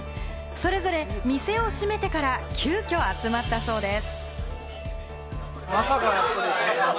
それぞれ店を閉めてから、急きょ集まったそうです。